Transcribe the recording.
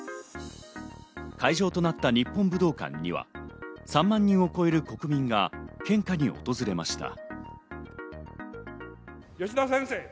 会場となった日本武道館には３万人を超える国民が献花に訪れました。